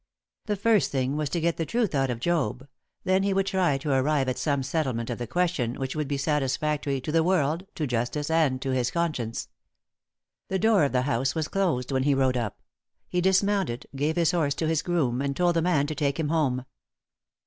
The first thing was to get the truth out of Job; then he would try to arrive at some settlement of the question which would be satisfactory to the world, to justice, and to his conscience. The door of the house was closed when he rode up. He dismounted, gave his horse to his groom, and told the man to take him home.